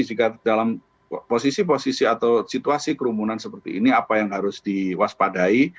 jika dalam posisi posisi atau situasi kerumunan seperti ini apa yang harus diwaspadai